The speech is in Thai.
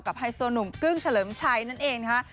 ไฮโซหนุ่มกึ้งเฉลิมชัยนั่นเองนะคะ